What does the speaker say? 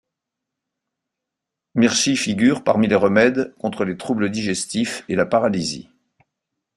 Mirchi figure parmi les remèdes contre les troubles digestifs et la paralysie.